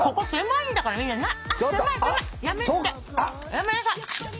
やめなさい！